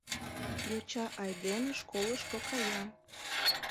Йоча-айдеме школышко кая.